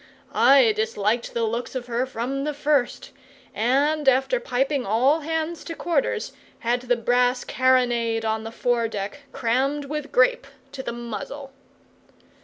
I disliked the looks of her from the first, and, after piping all hands to quarters, had the brass carronade on the fore deck crammed with grape to the muzzle.